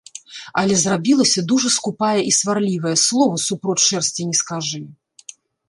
Але зрабілася дужа скупая і сварлівая, слова супроць шэрсці не скажы.